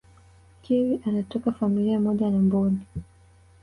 kiwi anatoka familia moja na mbuni